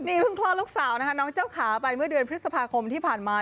นี่เพิ่งคลอดลูกสาวนะคะน้องเจ้าขาไปเมื่อเดือนพฤษภาคมที่ผ่านมา